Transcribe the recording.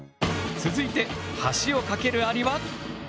続いて橋をかけるアリは。